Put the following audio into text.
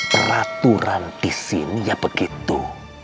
peraturan di sini ya begitu